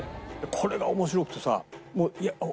これが面白くてさ。